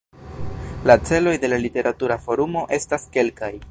La celoj de la Literatura Forumo estas kelkaj.